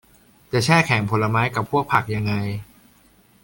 จะแช่แข็งผลไม้กับพวกผักยังไง